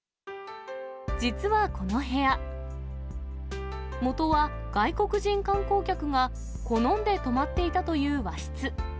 実はこの部屋、もとは外国人観光客が好んで泊まっていたという和室。